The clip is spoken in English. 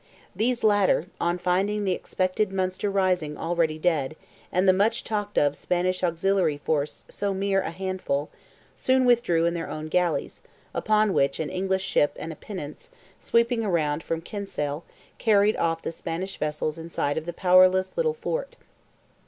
These latter, on finding the expected Munster rising already dead, and the much talked of Spanish auxiliary force so mere a handful, soon withdrew in their own galleys, upon which an English ship and pinnace, sweeping round from Kinsale, carried off the Spanish vessels in sight of the powerless little fort.